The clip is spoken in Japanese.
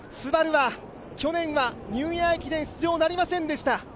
ＳＵＢＡＲＵは去年はニューイヤー駅伝出場なりませんでした。